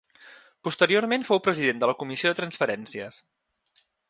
Posteriorment fou president de la Comissió de Transferències.